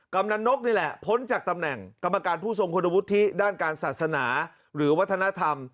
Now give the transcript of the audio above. กำลังนกนี่แหละพ้นจากตำแหน่งกรรมการผู้ทรงคุณวุฒิด้านการศาสนาหรือวัฒนธรรม